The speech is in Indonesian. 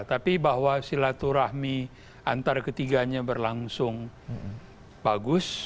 tapi bahwa silaturahmi antar ketiganya berlangsung bagus